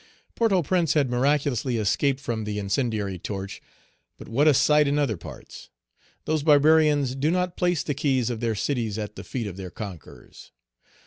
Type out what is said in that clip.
Port au Prince had miraculously escaped from the incendiary torch. But what a sight in other parts! Those barbarians do not place the keys of their cities at the feet of their conquerors.